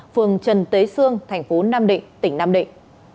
phường trần tế sương thành phố nam định tỉnh nam định